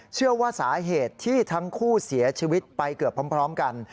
เชื่อว่าสาเหตุที่ทั้งคู่เสียชีวิตไปเกือบพร้อมกัน